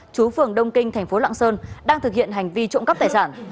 chú phường đông kinh tp lạng sơn đang thực hiện hành vi trộm cấp tài sản